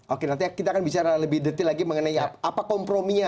oke nanti kita akan bicara lebih detail lagi mengenai apa komprominya